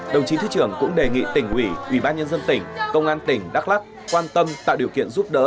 đồng chí thứ trưởng cũng đề nghị tỉnh ủy ubnd tỉnh công an tỉnh đắk lắk quan tâm tạo điều kiện giúp đỡ